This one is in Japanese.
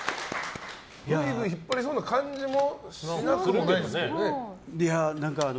ぐいぐい引っ張りそうな感じもしなくはないですけどね。